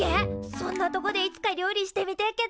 そんなとこでいつか料理してみてえけっ